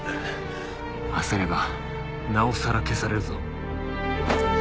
焦ればなおさら消されるぞ。